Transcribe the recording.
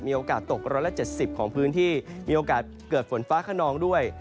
โอกาสตก๑๗๐ของพื้นที่มีโอกาสเกิดฝนฟ้าขนองด้วย